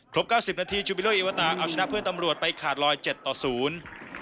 เก้าสิบนาทีชูบิโลเอวาตาเอาชนะเพื่อนตำรวจไปขาดลอยเจ็ดต่อศูนย์